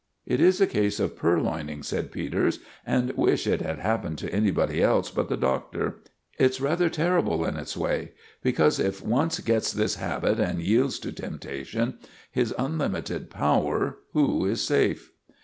"It is a case of purloining," said Peters; "and wish it had happened to anybody else but the Doctor. It's rather terrible in its way; because if once gets this habit and yields to temptation, his unlimited power, who is safe?"